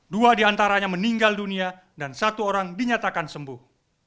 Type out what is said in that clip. dua diantaranya meninggal dunia dan satu orang dinyatakan sembuh